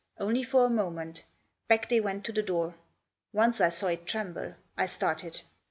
Only for a moment Back they went to the door. Once I saw it tremble. I started.